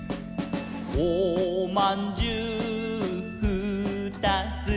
「おまんじゅうふーたつ」